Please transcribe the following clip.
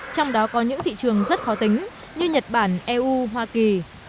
trong đó có những thị trường rất khó tính như nhật bản eu hoa kỳ